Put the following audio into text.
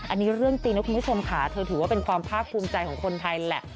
อันนี้เรื่องจริงนะคุณผู้ชมค่ะเธอถือว่าเป็นความภาคภูมิใจของคนไทยแหละ